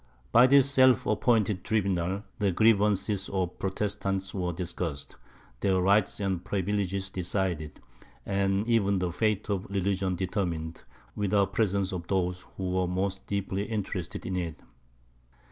By this self appointed tribunal, the grievances of the Protestants were discussed, their rights and privileges decided, and even the fate of religions determined, without the presence of those who were most deeply interested in it.